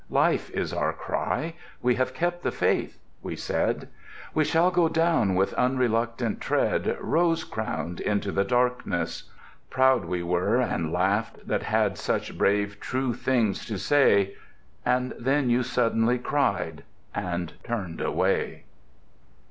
Life is our cry. We have kept the faith!" we said: "We shall go down with unreluctant tread Rose crowned into the darkness!" ... Proud we were And laughed, that had such brave true things to say. —And then you suddenly cried, and turned away.